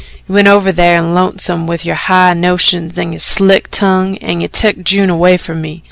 "You went over thar in Lonesome with your high notions an' your slick tongue, an' you took June away from me.